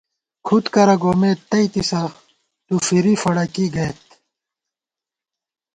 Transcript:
کھُد کرہ گومېت تئیتِسہ تُو فِری فَڑَکی گئیت